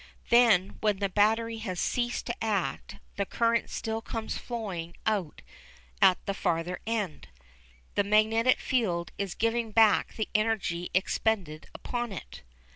Then when the battery has ceased to act the current still comes flowing out at the farther end the magnetic field is giving back the energy expended upon it.